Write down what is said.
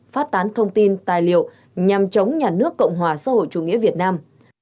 phát tán thông tin tài liệu nhằm chống nhà nước cộng hòa xã hội chủ nghĩa việt nam